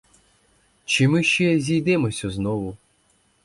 Чи ми ще зійдемося знову?